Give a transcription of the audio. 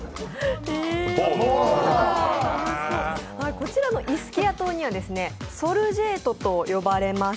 こちらのイスキア島にはソルジェートと呼ばれます